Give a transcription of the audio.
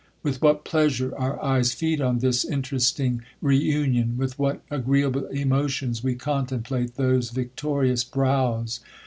With what pleasure our eyes feed on this interesting reunion! With w'hat agreeable emotions we contemplate those victorious I brows!